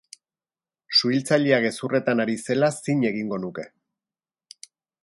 Suhiltzailea gezurretan ari zela zin egingo nuke.